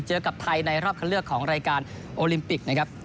เจอกับไทยในรอบคันเลือกของรายการโอลิมปิกนะครับ